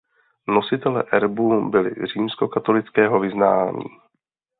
Nositelé erbu byli římskokatolického vyznání.